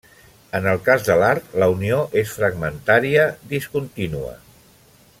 En el cas de l'art la unió és fragmentària, discontínua.